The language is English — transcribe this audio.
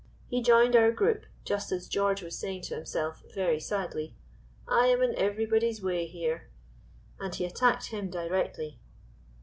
He joined our group, just as George was saying to himself very sadly, "I am in everybody's way here" and he attacked him directly.